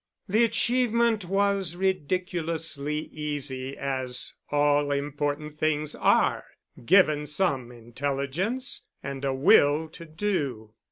The achievement was ridiculously easy as all important things are, given some intelligence and a will to do.